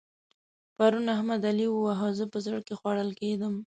پرون احمد؛ علي وواهه. زه په زړه کې خوړل کېدم.